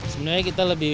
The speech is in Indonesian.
sebenarnya kita lebih ke